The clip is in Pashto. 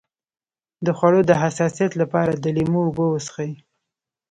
د خوړو د حساسیت لپاره د لیمو اوبه وڅښئ